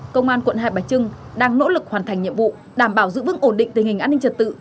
công an quận hai bà trưng đang nỗ lực hoàn thành nhiệm vụ đảm bảo giữ vững ổn định tình hình an ninh trật tự